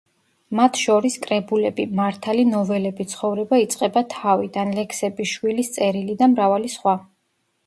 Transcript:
მათ შორის კრებულები „მართალი ნოველები“, „ცხოვრება იწყება თავიდან“, ლექსები „შვილის წერილი“ და მრავალი სხვა.